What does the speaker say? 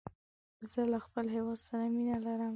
زه له خپل هېواد سره مینه لرم.